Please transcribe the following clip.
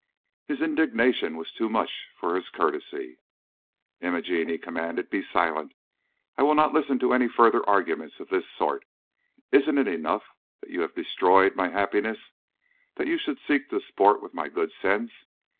His indignation was too much for his courtesy. "Imogene," he commanded, "be silent! I will not listen to any further arguments of this sort. Isn't it enough that you have destroyed my happiness, that you should seek to sport with my good sense?